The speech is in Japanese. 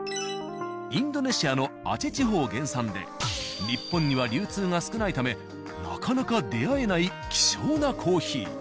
インドネシアのアチェ地方原産で日本には流通が少ないためなかなか出会えない希少なコーヒー。